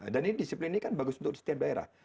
dan ini disiplin ini kan bagus untuk setiap daerah